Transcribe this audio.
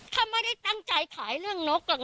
ถ้าไม่ได้ตั้งใจขายเรื่องนกหรอก